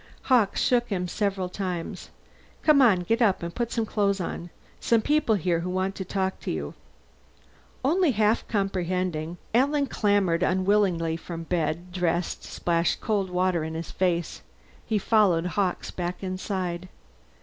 Hawkes shook him several times. "Come on get up and put some clothes on. Some people here who want to talk to you." Only half comprehending, Alan clambered unwillingly from bed, dressed, and splashed cold water in his face. He followed Hawkes back inside.